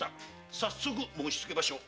早速申しつけましょう。